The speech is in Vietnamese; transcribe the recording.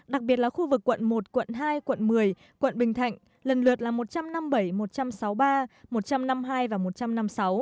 đặc biệt là khu vực quận một quận hai quận một mươi quận bình thạnh lần lượt là một trăm năm mươi bảy một trăm sáu mươi ba một trăm năm mươi hai và một trăm năm mươi sáu